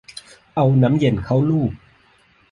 เอาน้ำเย็นเข้าลูบ